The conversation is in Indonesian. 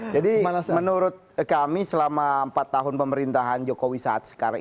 jadi menurut kami selama empat tahun pemerintahan jokowi saat sekarang